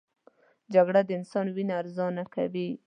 جګړه د انسان وینه ارزانه کوي